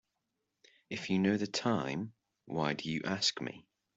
If you know the time why do you ask me?